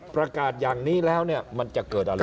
ประกาศอย่างนี้แล้วเนี่ยมันจะเกิดอะไร